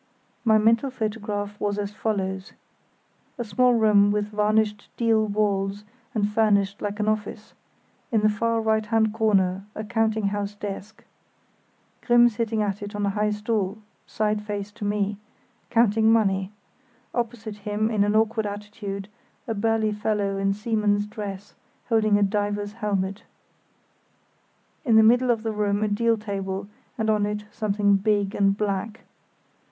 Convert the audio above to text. My mental photograph was as follows: a small room with varnished deal walls and furnished like an office; in the far right hand corner a counting house desk, Grimm sitting at it on a high stool, side face to me, counting money; opposite him in an awkward attitude a burly fellow in seaman's dress holding a diver's helmet. In the middle of the room a deal table, and on it something big and black.